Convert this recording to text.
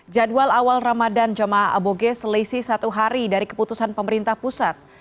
jadwal awal ramadan jamaah aboge selisih satu hari dari keputusan pemerintah pusat